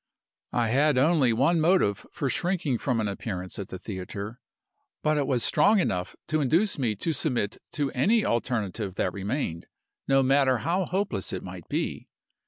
"I had only one motive for shrinking from an appearance at the theatre but it was strong enough to induce me to submit to any alternative that remained, no matter how hopeless it might be.